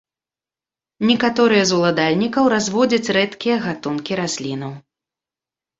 Некаторыя з уладальнікаў разводзяць рэдкія гатункі раслінаў.